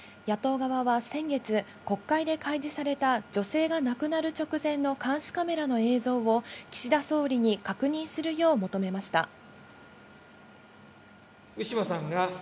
野党側は先月、国会で開示された女性が亡くなる直前の監視カメラの映像を岸田総理に確認するよう求めました。